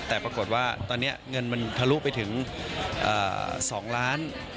แต่ปรากฏว่าตอนนี้เงินมันทะลุไปถึง๒ล้าน